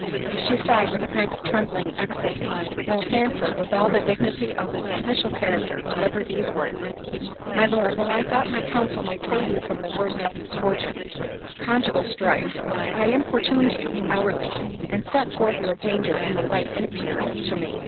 She, sighed with a kind of trembling ecstasy; while Sandford, with all the dignity of his official character, delivered these words—— "My Lord, while I thought my counsel might save you from the worst of misfortunes, conjugal strife, I importuned you hourly, and set forth your danger in the light it appeared to me.